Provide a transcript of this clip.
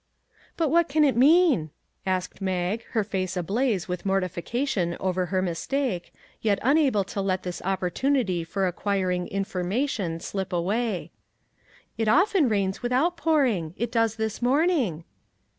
" But what can it mean ?" asked Mag, her face ablaze with mortification over her mistake, yet unable to let this opportunity for acquiring information slip away. " It often rains with out pouring; it does this morning."